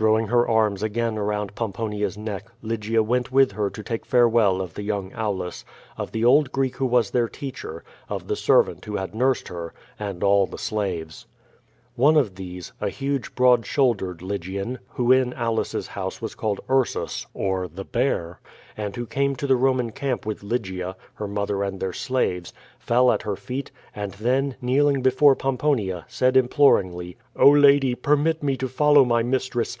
'' Throwing her arms again around Pomponia's neck, Lygia went with her to take farewell of the young Auhis, of the old Greek who was their teacher, of the servant who had nursed her, and all the slaves. One of these, a huge, broad shouldered Lygian, who in Aulus'g house was called Ursus, or the Bear, and who came to the Roman camp with Lygia, her mother and their slaves. QUO VADIS, 39 fell at her feet, and then, kneeling before Pomponia, said imploringly: "Oh, lady, permit me to follow my mistress.